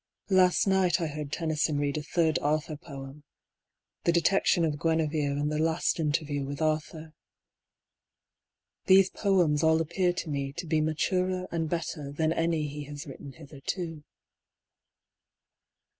Last night I heard Tennyson read a third Arthur poem : the detection of Guenevere and the last interview with Arthur. These poems all appear to me to be maturer and better than any he has written hitherto.